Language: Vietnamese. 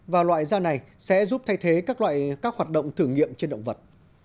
và loại da này sẽ giúp thay thế các hoạt động thử nghiệm trên động vật